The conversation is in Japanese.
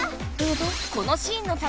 このシーンの撮